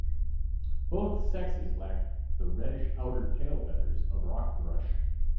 Both sexes lack the reddish outer tail feathers of rock thrush.